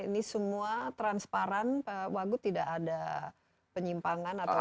ini semua transparan pak wagu tidak ada penyimpangan atau